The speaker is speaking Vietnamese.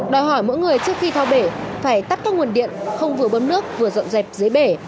đòi hỏi mỗi người trước khi thao bể phải tắt các nguồn điện không vừa bơm nước vừa rộn rẹp dưới bể